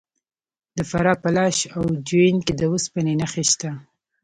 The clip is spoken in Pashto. د فراه په لاش او جوین کې د وسپنې نښې شته.